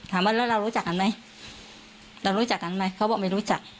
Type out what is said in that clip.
ถามว่าแล้วเรารู้จักกันไหมเรารู้จักกันไหมเขาบอกไม่รู้จัก